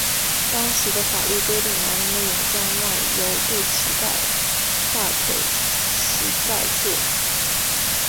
当时的法律规定男人的泳装要由肚脐盖大腿膝盖处。